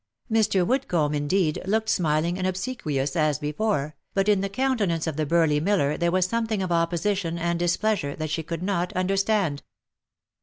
Mr. Woodcomb, indeed, looked smiling and obsequious as before, but in the countenance of the burly miller there was something of opposition and displeasure that she could not understand.